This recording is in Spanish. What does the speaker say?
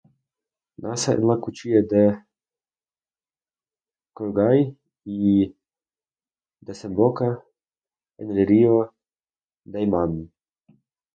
Nace en la Cuchilla del Queguay y desemboca en el río Daymán.